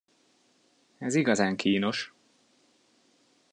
Ez igazán kínos!